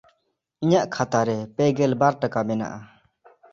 ᱤᱧᱟᱜ ᱠᱷᱟᱛᱟ ᱨᱮ ᱯᱮᱜᱮᱞ ᱵᱟᱨ ᱴᱟᱠᱟ ᱢᱮᱱᱟᱜᱼᱟ᱾